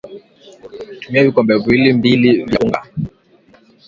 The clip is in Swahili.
Tumia vikombe viwili mbili vya unga